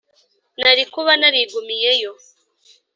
nari kuba narigumiyeyo